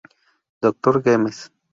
Dr. Güemes.